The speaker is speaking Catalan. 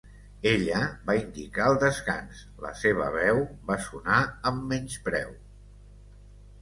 Ella va indicar el descans; la seva veu va sonar amb menyspreu.